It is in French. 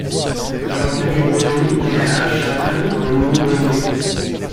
John Patrick Barry naît le à Chatham, au Nouveau-Brunswick.